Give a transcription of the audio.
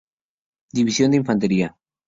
División de Infantería.